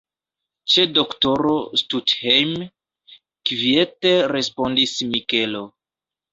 Ĉe doktoro Stuthejm, kviete respondis Mikelo.